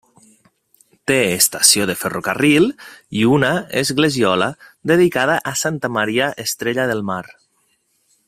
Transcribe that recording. Té estació de ferrocarril i una esglesiola, dedicada a santa Maria Estrella del Mar.